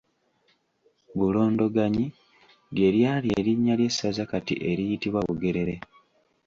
Bulondoganyi ly’eryali erinnya ly’essaza kati eriyitibwa Bugerere.